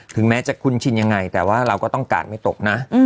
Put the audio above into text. แม้จะคุ้นชินยังไงแต่ว่าเราก็ต้องกาดไม่ตกนะ